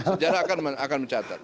sejarah akan mencatat